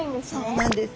そうなんです。